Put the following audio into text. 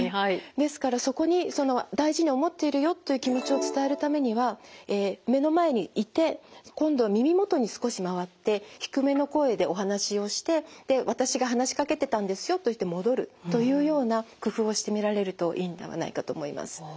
ですからそこに大事に思っているよという気持ちを伝えるためには目の前にいて今度は耳元に少し回って低めの声でお話をしてで私が話しかけてたんですよといって戻るというような工夫をしてみられるといいんではないかと思います。